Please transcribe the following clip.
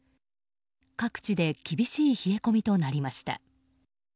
各地で厳しい冷え込みとなりました。